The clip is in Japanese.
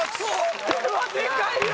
これはでかいよ！